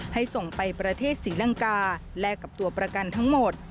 ส่งไปประเทศศรีลังกาแลกกับตัวประกันทั้งหมด